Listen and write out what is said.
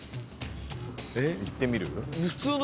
・行ってみる？